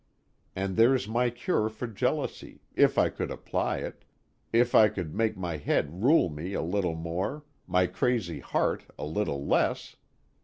And there's my cure for jealousy if I could apply it, if I could make my head rule me a little more, my crazy heart a little less.